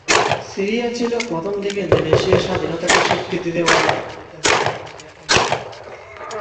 Syria ছিল, প্রথমদিকে, ইন্দোনেশিয়ার স্বাধীনতাকে স্বীকৃতি দেয়া দেশগুলোর মাঝে অন্যতম।